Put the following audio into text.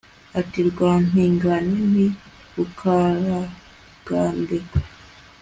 ati Rwampingane Nti Rukaragandekwe